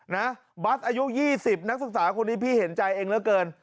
บัสอายุ๒๐นักศึกษาคนนี้พี่เห็นใจเองเหลือเกิน